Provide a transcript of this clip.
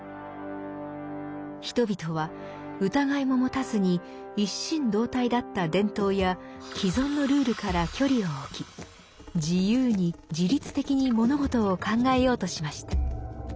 人々は疑いも持たずに一心同体だった伝統や既存のルールから距離を置き自由に自立的に物事を考えようとしました。